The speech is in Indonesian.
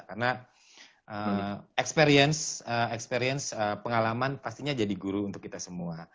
karena experience pengalaman pastinya jadi guru untuk kita semua